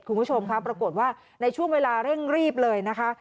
คุณผู้ชมครับปรากฏว่าในช่วงเวลาเร่งรีบเลยนะคะ